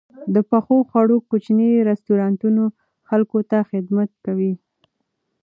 د پخو خوړو کوچني رستورانتونه خلکو ته خدمت کوي.